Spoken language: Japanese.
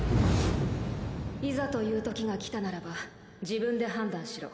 いざというときが来たならば自分で判断しろ